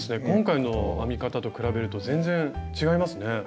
今回の編み方と比べると全然違いますね。